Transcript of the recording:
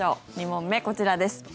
２問目、こちらです。